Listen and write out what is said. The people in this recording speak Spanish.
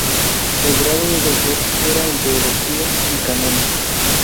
El grado de doctor era "en teología y cánones".